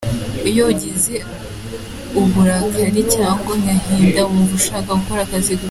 Iyo ugize uburakari ,cyangwa agahinda wumva ushaka gukora akazi gusa.